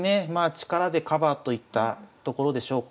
力でカバーといったところでしょうか。